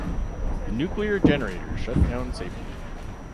The nuclear generators shut down safely.